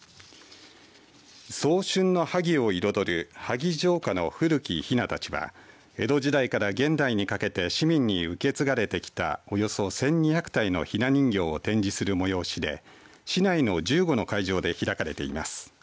早春の萩を彩る萩城下の古き雛たちは江戸時代から現代にかけて市民に受け継がれてきたおよそ１２００体のひな人形を展示する催しで市内の１５の会場で開かれています。